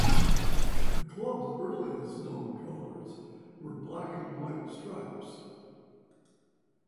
The club's earliest known colours were black and white stripes.